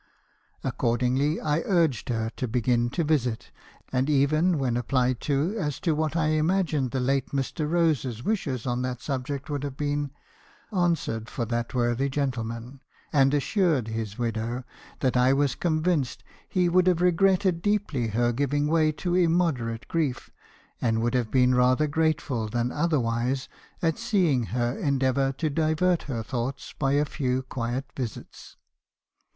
Accordingly I urged her to begin to visit, and even when applied to as to what I imagined the late Mr. Rose's wishes on that subject would have been, answered for that worthy gentleman, and assured his widow that I was convinced he would have regretted deeply her giving way to immoderate grief, and would have been rather grateful than otherwise at seeing her endeavour to divert her thoughts by a few quiet visits.